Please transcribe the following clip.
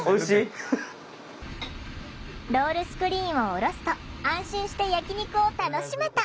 ロールスクリーンを下ろすと安心して焼き肉を楽しめた！